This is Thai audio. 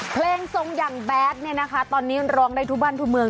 เพลงทรงอย่างแบดเนี่ยนะคะตอนนี้ร้องได้ทุกบ้านทุกเมือง